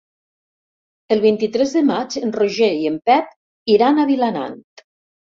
El vint-i-tres de maig en Roger i en Pep iran a Vilanant.